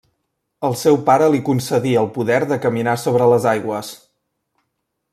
El seu pare li concedí el poder de caminar sobre les aigües.